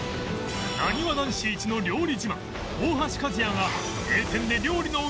なにわ男子イチの料理自慢大橋和也が